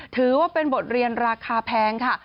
ถือว่าเป็นบทเรียนราคาแพงค่ะ